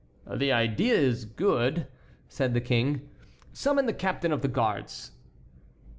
"The idea is good," said the King; "summon the captain of the guards."